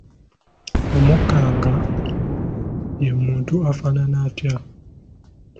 Omukanga ye muntu afaanana atya?